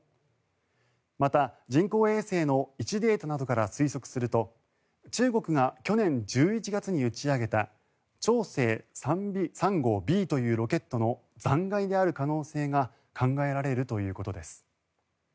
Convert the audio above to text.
また、人工衛星の位置データなどから推測すると中国が去年１１月に打ち上げた長征３号Ｂというロケットの残骸である可能性が考えられるということです。